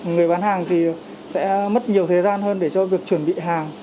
người bán hàng thì sẽ mất nhiều thời gian hơn để cho việc chuẩn bị hàng